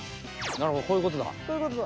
なるほどこういうことだ。